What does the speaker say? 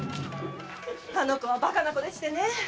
あの子はバカな子でしてね。